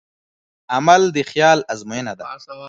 عمل د خیال ازموینه ده.